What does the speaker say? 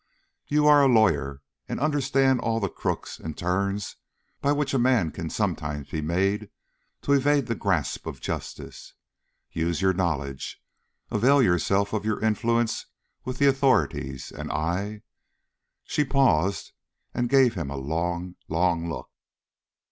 You are a lawyer, and understand all the crooks and turns by which a man can sometimes be made to evade the grasp of justice. Use your knowledge. Avail yourself of your influence with the authorities, and I " she paused and gave him a long, long look.